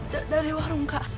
dari warung kak